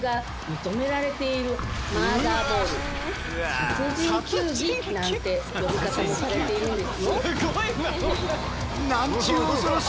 殺人球技なんて呼び方もされているんですよ。